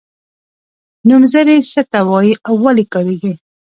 نومځري څه ته وايي او ولې کاریږي.